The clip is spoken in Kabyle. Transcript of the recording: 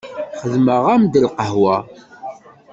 Xedmeɣ-am-d lqahwa.